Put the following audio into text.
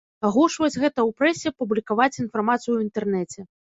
Агучваць гэта ў прэсе, публікаваць інфармацыю ў інтэрнэце.